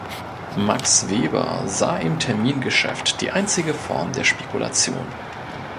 Max Weber sah im Termingeschäft die einzige Form der Spekulation.